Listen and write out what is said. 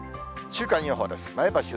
週間予報です。